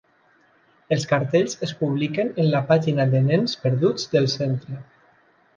Els cartells es publiquen en la pàgina de nens perduts del centre.